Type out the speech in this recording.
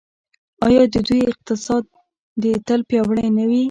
آیا د دوی اقتصاد دې تل پیاوړی نه وي؟